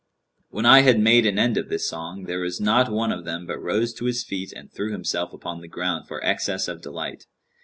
When I had made an end of this song, there was not one of them but rose to his feet and threw himself upon the ground for excess of delight.